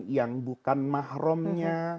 yang bukan mahrumnya